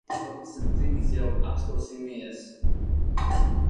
Pavisam drīz jau apskausimies.